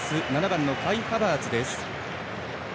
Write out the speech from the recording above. ７番のカイ・ハバーツです。